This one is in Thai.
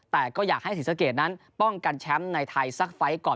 แต่ก็อยากให้ศรีสะเกดนั้นป้องกันแชมป์ในไทยสักไฟล์ก่อน